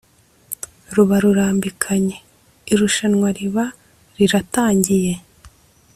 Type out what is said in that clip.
ruba rurambikanye:irushanwa riba riratangiye